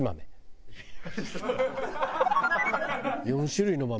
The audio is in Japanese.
４種類の豆。